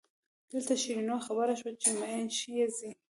دلته شیرینو خبره شوه چې مئین یې ځي.